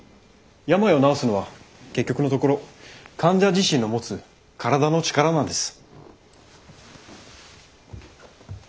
病を治すのは結局のところ患者自身の持つ体の力なんです。